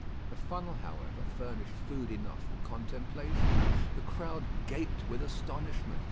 The funnel, however, furnished food enough for contemplation. The crowd gaped with astonishment.